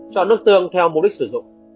chọn nước tương theo mục đích sử dụng